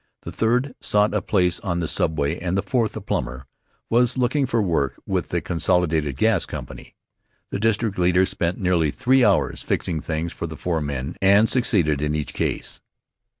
The third sought a place on the Subway and the fourth, a plumber, was looking for work with the Consolidated Gas Company. The district leader spent nearly three hours fixing things for the four men, and succeeded in each case.